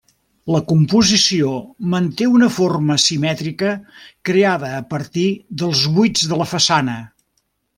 La composició manté una forma simètrica creada a partir dels buits de la façana.